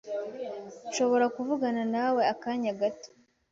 Nshobora kuvugana nawe akanya gato?